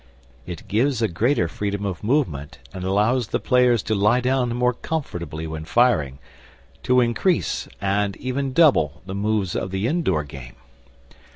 It gives a greater freedom of movement and allows the players to lie down more comfortably when firing, to increase, and even double, the moves of the indoor game.